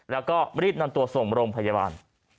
แล้วก็รีบนำตัวส่งโรงพยาบาล